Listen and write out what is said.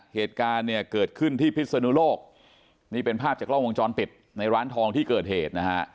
เหตุการณ์เนี่ยเกิดขึ้นที่พิศนุโลกนี่เป็นภาพจากกล้องวงจรปิดในร้านทองที่เกิดเหตุนะฮะ